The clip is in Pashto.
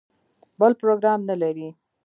بل پروګرام نه لري.